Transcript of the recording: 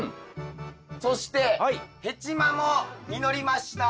そしてヘチマも実りました！